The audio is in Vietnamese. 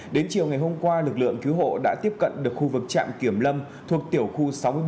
đến chiều ngày hôm qua lực lượng cứu hộ đã tiếp cận được khu vực trạm kiểm lâm thuộc tiểu khu sáu mươi bảy